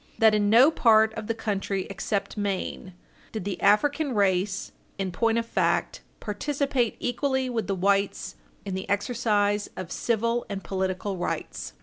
258, note b) that in no part of the country except Maine did the African race, in point of fact, participate equally with the whites in the exercise of civil and political rights.